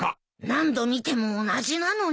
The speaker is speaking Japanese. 何度見ても同じなのに。